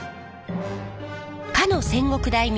かの戦国大名